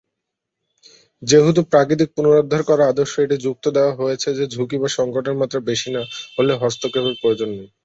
যেহেতু প্রাকৃতিক পুনরুদ্ধার করা আদর্শ, এটি যুক্তি দেওয়া হয়েছে যে ঝুঁকি বা সঙ্কটের মাত্রা বেশি না হলে হস্তক্ষেপের প্রয়োজন নেই।